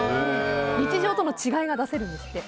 日常との違いが出せるんですって。